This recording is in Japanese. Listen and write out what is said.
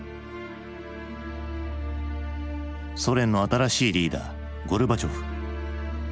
ソ連の新しいリーダーゴルバチョフ。